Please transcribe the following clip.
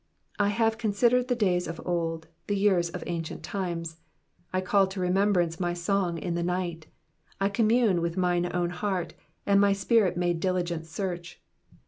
5 I have considered the days of old, the years of ancient times. 6 I call to remembrance my song in the night : I commune with mine own heart : and my spirit made diligent search.